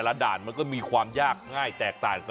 แต่ละด่านแต่ละด่านมันก็มีความยากง่ายแตกต่างกันออกไป